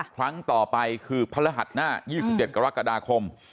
ครั้งต่อไปคือพระรหัสหน้า๒๗กรกฎาคม